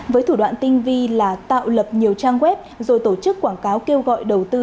với thủ đoạn tinh vi là tạo lập nhiều trang web rồi tổ chức quảng cáo kêu gọi đầu tư